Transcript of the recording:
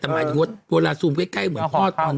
แต่หมายถึงว่าเวลาซูมใกล้เหมือนพ่อตอน